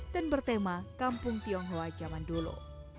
bertema kampung tionghoa zaman dulu